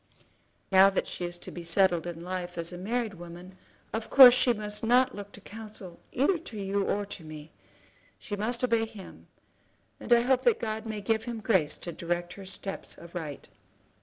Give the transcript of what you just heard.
"Now that she is to be settled in life as a married woman, of course she must not look for counsel either to you or to me. She must obey him, and I hope that God may give him grace to direct her steps aright."